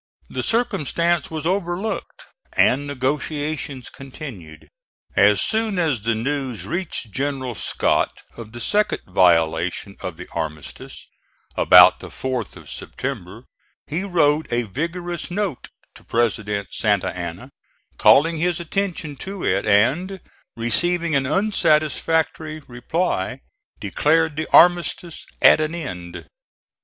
The circumstance was overlooked and negotiations continued. As soon as the news reached General Scott of the second violation of the armistice, about the 4th of September, he wrote a vigorous note to President Santa Anna, calling his attention to it, and, receiving an unsatisfactory reply, declared the armistice at an end.